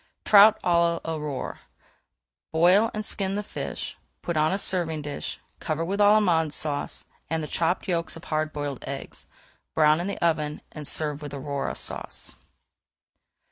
TROUT À L'AURORE Boil and skin the fish, put on a serving dish, cover with Allemande Sauce, and the chopped yolks of hard boiled eggs. Brown in the oven and serve with Aurora Sauce.